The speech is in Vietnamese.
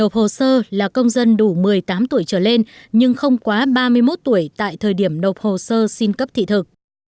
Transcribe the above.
hồ sơ là công dân đủ một mươi tám tuổi trở lên nhưng không quá ba mươi một tuổi tại thời điểm đọc hồ sơ xin cấp thị thực